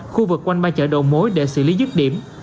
khu vực quanh ba chợ đầu mối để xử lý dứt điểm